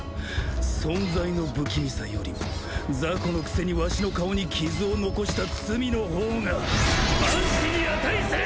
存在の不気味さよりもザコのくせにワシの顔に傷を残した罪のほうが万死に値する！